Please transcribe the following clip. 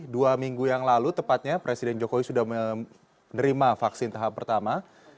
dua minggu yang lalu tepatnya presiden jokowi sudah menerima vaksin tahap pertama